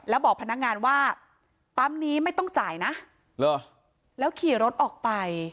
แล้วบอกพนักงานว่าปั๊มนี้ไม่ต้องจ่ายนะแล้วขี่รถออกไป